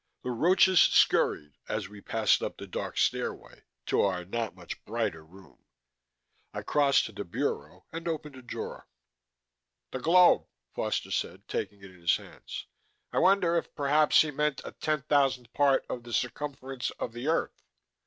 The roaches scurried as we passed up the dark stairway to our not much brighter room. I crossed to the bureau and opened a drawer. "The globe," Foster said, taking it in his hands. "I wonder if perhaps he meant a ten thousandth part of the circumference of the earth?"